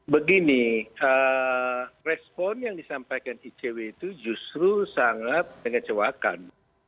begini respon yang disampaikan icw itu justru sangat mengecewakan